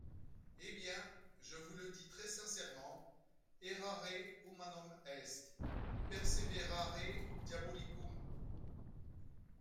Eh bien, je vous le dis très sincèrement, errare humanum est, perseverare diabolicum.